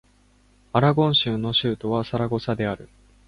アラゴン州の州都はサラゴサである